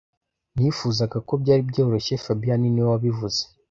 Nifuzaga ko byari byoroshye fabien niwe wabivuze